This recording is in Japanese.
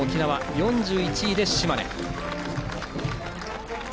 ４１位で島根。